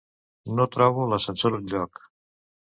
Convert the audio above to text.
No trobo l'ascensor enlloc.